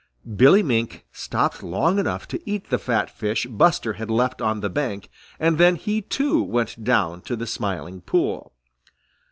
Billy Mink stopped long enough to eat the fat fish Buster had left on the bank and then he too went down to the Smiling Pool.